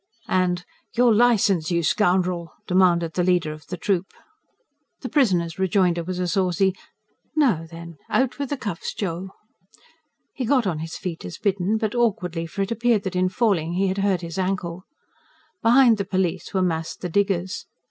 And: "Your licence, you scoundrel!" demanded the leader of the troop. The prisoner's rejoinder was a saucy: "Now then, out with the cuffs, Joe!" He got on his feet as bidden; but awkwardly, for it appeared that in falling he had hurt his ankle. Behind the police were massed the diggers.